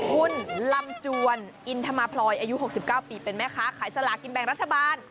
คุณลำจวนอินทมาพลอยอายุ๖๙ปีเป็นแม่ค้าขายสลากินแบ่งรัฐบาล